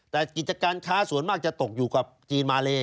แต่กิจการค้าส่วนมากจะตกอยู่กับจีนมาเล